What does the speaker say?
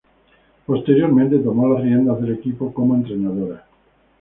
Posteriormente tomó las riendas del equipo como entrenadora.